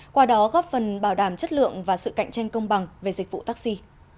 qua đó góp phần bảo đảm chất lượng và sự cạnh tranh công bằng về dịch vụ taxi